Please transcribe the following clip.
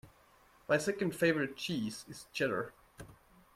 My second favourite cheese is cheddar.